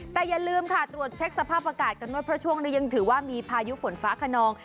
แต่อย่าลืมตรวจเช็คสภาพประกาศกับโน้ตพระช่วงยังถือว่ามีพายุฝนฟ้าคนอง